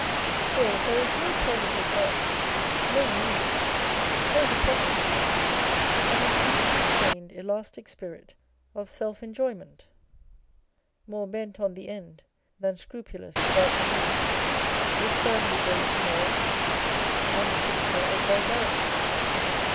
Still there is no positive vice, no meanness, no hypocrisy, but an uncon strained elastic spirit of self enjoyment, more bent on the end than scrupulous about the means ; with firmly braced nerves, and a tincture of vulgarity.